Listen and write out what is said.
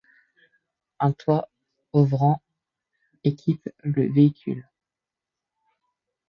Un toit ouvrant équipe le véhicule.